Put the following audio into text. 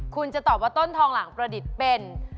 คุณจะตอบว่าต้นทองหลังประดิษฐ์เป็น